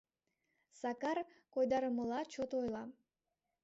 — Сакар койдарымыла чот ойла.